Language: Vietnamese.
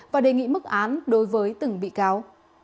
và đề nghị mức án đối với từng bị cáo